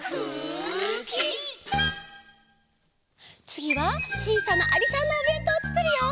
つぎはちいさなありさんのおべんとうをつくるよ。